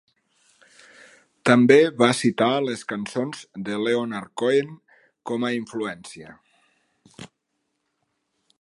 També va citar les cançons de Leonard Cohen com a influència.